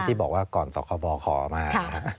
ที่บอกว่าก่อนสคบขอมา